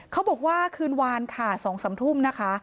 เขาบอกว่าคืนวานค่ะ๒๓ทุ่มนะคะ